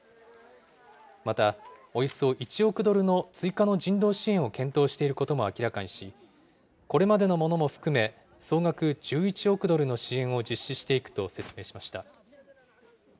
またおよそ１億ドルの追加の人道支援を検討していることも明らかにし、これまでのものも含め、総額１１億ドルの支援を実施していくと説明しました。